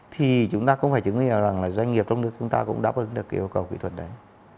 thì chúng ta cũng phải chứng nghiệm rằng doanh nghiệp trong nước chúng ta cũng đáp ứng được yêu cầu kỹ thuật đấy